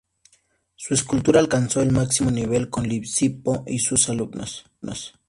Su escultura alcanzó el máximo nivel con Lisipo y sus alumnos.